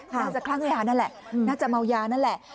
น่าจะคลั่งยานั่นแหละน่าจะเมายานั่นแหละ